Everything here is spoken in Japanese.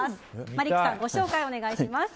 マリックさんご紹介をお願いします。